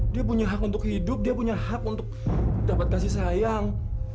dia punya hak untuk hidup dia punya hak untuk dapat kasih sayang